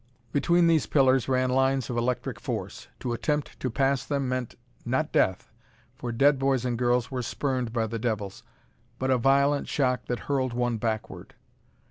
Between these pillars ran lines of electric force. To attempt to pass them meant not death, for dead boys and girls were spurned by the devils but a violent shock that hurled one backward.